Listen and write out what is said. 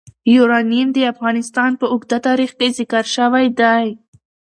یورانیم د افغانستان په اوږده تاریخ کې ذکر شوی دی.